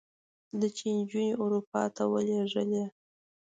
ده چې نجونې اروپا ته ولېږلې.